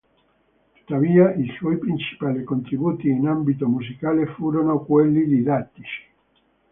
Tuttavia i suoi principali contributi in ambito musicale furono quelli didattici.